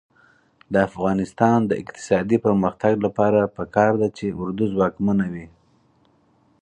د افغانستان د اقتصادي پرمختګ لپاره پکار ده چې اردو ځواکمنه وي.